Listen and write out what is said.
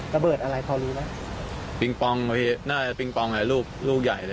ระเบิดอะไรพอรู้ไหมปิงปองไว้น่าจะปิงปองหลายลูกลูกใหญ่เลย